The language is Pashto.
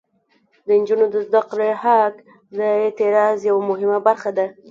د نجونو د زده کړې حق د اعتراض یوه مهمه بیلګه ده.